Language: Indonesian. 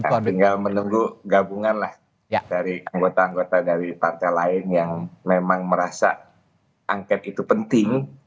tinggal menunggu gabungan lah dari anggota anggota dari partai lain yang memang merasa angket itu penting